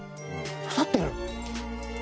刺さってる。